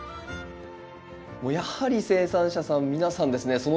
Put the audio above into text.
もうやはり生産者さん皆さんですね